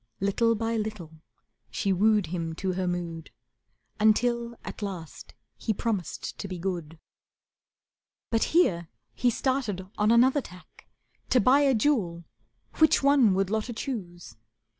Little by little she wooed him to her mood Until at last he promised to be good. But here he started on another tack; To buy a jewel, which one would Lotta choose.